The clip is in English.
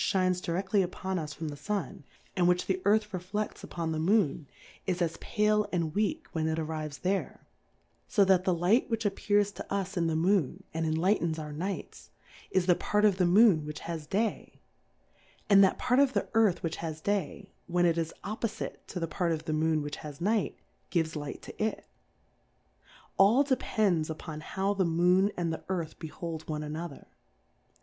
ines direftly upon us from the Sun, and which the Earth reflefts 4(5 DifcouiTes on the refle£ls upon the Moon, is as pale and weak when it arrives there ; fo that the Light which appears to us in the Moon, and enhghtcns our Nights, is tli^Part of the Moon which has Day; and that part of the Earth which has Day, when it is oppofite to the part of the Moon which has Night, gives Light to it : All depends upon, how the Moon and the Earth behold one ano ther.